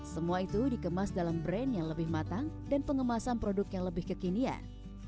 semua itu dikemas dalam brand yang lebih matang dan pengemasan produk yang lebih kekinian